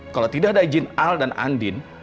kalau tidak ada izin al dan andin